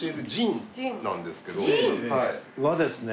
和ですね。